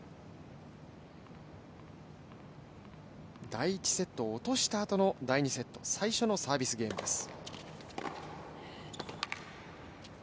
第１セットを落としたあとの第２セット、最初のサービスゲームです。